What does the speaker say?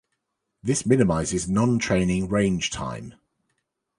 This minimizes non-training range time.